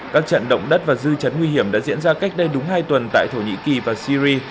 các trận động đất và dư chấn nguy hiểm đã diễn ra cách đây đúng hai tuần tại thổ nhĩ kỳ và syri